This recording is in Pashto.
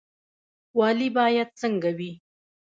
والي باید څنګه وي؟